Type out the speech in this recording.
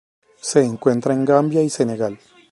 Se encuentra en Gambia y Senegal.